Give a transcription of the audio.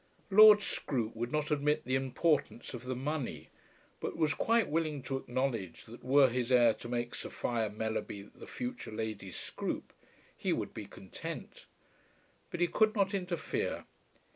Lord Scroope would not admit the importance of the money, but was quite willing to acknowledge that were his heir to make Sophia Mellerby the future Lady Scroope he would be content. But he could not interfere.